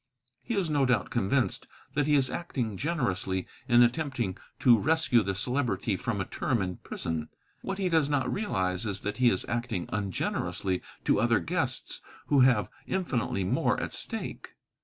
He is no doubt convinced that he is acting generously in attempting to rescue the Celebrity from a term in prison; what he does not realize is that he is acting ungenerously to other guests who have infinitely more at stake."